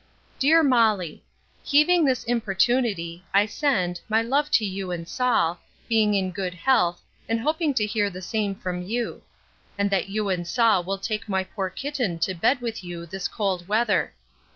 DEAR MOLLY, Heaving this importunity, I send, my love to you and Saul, being in good health, and hoping to hear the same from you; and that you and Saul will take my poor kitten to bed with you this cold weather.